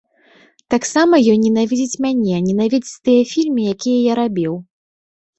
Таксама ён ненавідзіць мяне, ненавідзіць тыя фільмы, якія я рабіў.